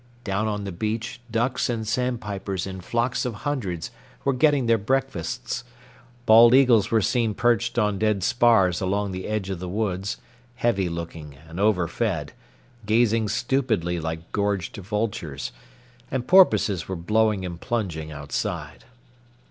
Down on the beach ducks and sandpipers in flocks of hundreds were getting their breakfasts, bald eagles were seen perched on dead spars along the edge of the woods, heavy looking and overfed, gazing stupidly like gorged vultures, and porpoises were blowing and plunging outside.